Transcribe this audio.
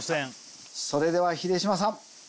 それでは秀島さん。